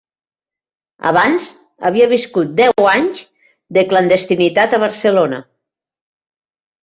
Abans havia viscut deu anys de clandestinitat a Barcelona.